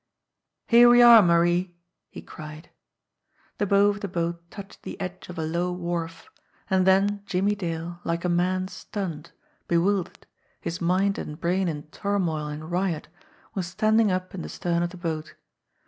"Here we are, Marie !" he cried. THE TOCSIN 13 The bow of the boat touched the edge of a low wharf and then Jimmie Dale, like a man stunned, bewildered, his mind and brain in turmoil and riot, was standing up in the stern of the boat.